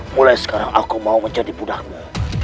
mulai sekarang aku mau menjadi pudarmu